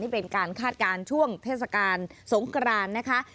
เป็นการคาดการณ์ช่วงเทศกาลสงกรานนะคะ